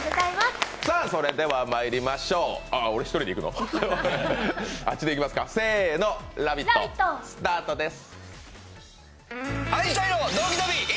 それではまいりましょう、あ、俺１人？せーの「ラヴィット！」スタートです。